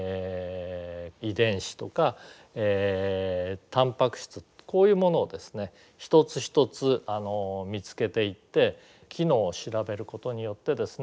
遺伝子とかタンパク質こういうものをですね一つ一つ見つけていって機能を調べることによってですね